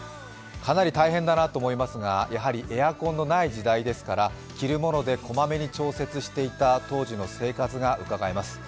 かなり大変だなと思いますがやはりエアコンのない時代ですから着るもので、こまめに調節していた当時の生活がうかがえます。